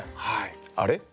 あれ？